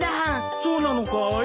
そうなのかい？